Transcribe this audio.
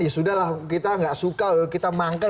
ya sudah lah kita gak suka kita manggel